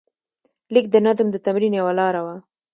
لیک د نظم د تمرین یوه لاره وه.